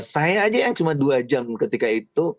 saya aja yang cuma dua jam ketika itu